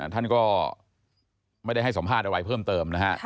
ท่านก็ไม่ได้ให้สอบภาษณ์เอาไว้เพิ่มเติมนะครับ